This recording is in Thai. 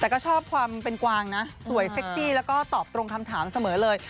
แต่ก็ชอบความเป็นกวางนะสวยเซ็กซี่แล้วก็ตอบตรงคำถามเสมอเลย